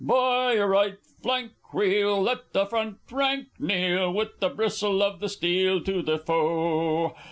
_ By your right flank, Wheel! Let the front rank kneel! With the bristle of the steel To the foe.